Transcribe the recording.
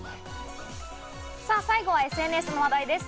最後はＳＮＳの話題です。